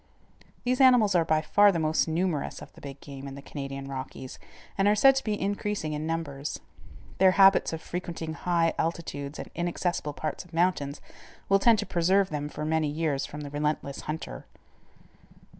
These animals are by far the most numerous of the big game in the Canadian Rockies, and are said to be increasing in numbers. Their habits of frequenting high altitudes and inaccessible parts of mountains will tend to preserve them for many years from the relentless hunter.